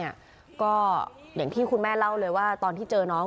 อย่างที่คุณแม่เล่าเลยว่าตอนที่เจอน้อง